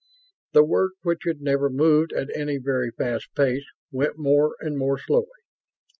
The work, which had never moved at any very fast pace, went more and more slowly.